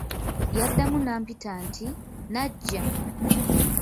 Yaddamu n'ampita nti, "Nnajja?"